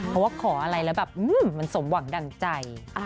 เพราะว่าขออะไรแล้วแบบมันสมหวังดั่งใจ